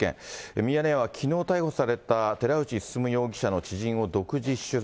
ミヤネ屋はきのう逮捕された、寺内進容疑者の知人を独自取材。